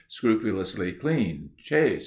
scrupulously clean ... chaste."